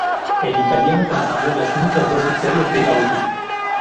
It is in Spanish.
El italiano consiguió las únicas dos victorias de Audi.